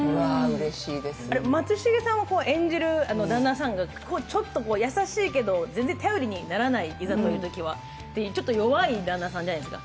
松重さん演じる旦那さんが優しいけど全然頼りにならないいざというときはっていう、ちょっと弱い旦那さんじゃないですか。